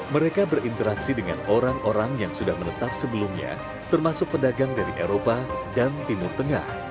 mereka berinteraksi dengan orang orang yang sudah menetap sebelumnya termasuk pedagang dari eropa dan timur tengah